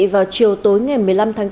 vào chiều tối ngày một mươi năm tháng bốn